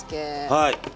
はい。